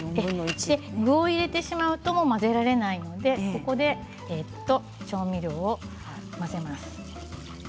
具を入れてしまうと混ぜられないのでここで調味料とお米を混ぜます。